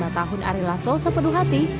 dua puluh lima tahun arilaso sepenuh hati